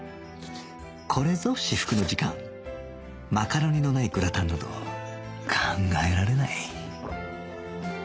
これぞ至福の時間マカロニのないグラタンなど考えられない